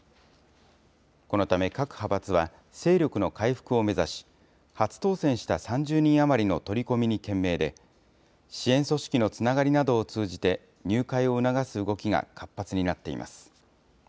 このため各派閥は勢力の回復を目指し、初当選した３０人余りの取り込みに懸命で、支援組織のつながりなどを通じて、入会を促す動きが活発になっています。